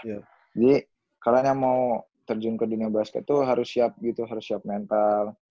jadi kalian yang mau terjun ke dunia basket tuh harus siap gitu harus siap mental